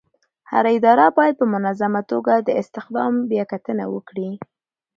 هره اداره باید په منظمه توګه د استخدام بیاکتنه وکړي.